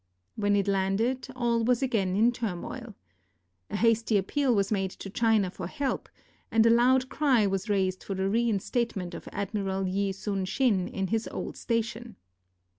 When it landed, all was again in turmoil. A hasty appeal was made to China for help, and a loud cry was raised for the reinstatement of Ad miral Yi Sun sin in his old station.